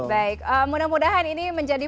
baik mudah mudahan ini menjadi